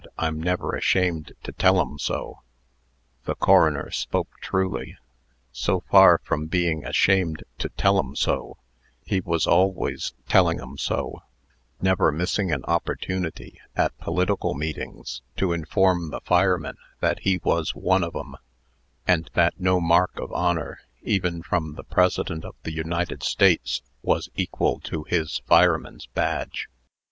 I'm never ashamed to tell 'em so." The coroner spoke truly. So far from being ashamed to "tell 'em so," he was always "telling 'em so," never missing an opportunity, at political meetings, to inform the firemen that he was "one of 'em," and that no mark of honor, even from the President of the United States, was equal to his fireman's badge.